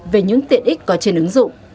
về những tiện ích có trên ứng dụng